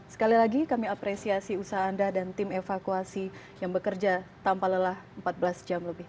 sekali lagi kami apresiasi usaha anda dan tim evakuasi yang bekerja tanpa lelah empat belas jam lebih